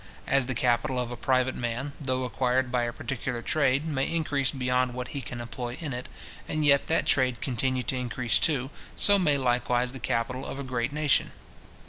As the capital of a private man, though acquired by a particular trade, may increase beyond what he can employ in it, and yet that trade continue to increase too, so may likewise the capital of a great nation.